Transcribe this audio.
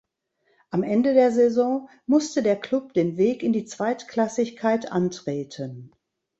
Am Ende der Saison musste der Club den Weg in die Zweitklassigkeit antreten.